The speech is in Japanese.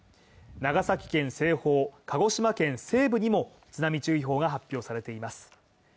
長崎県西方、鹿児島県西部にも津波注意報が発表されています。